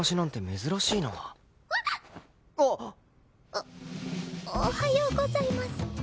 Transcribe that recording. おおはようございます。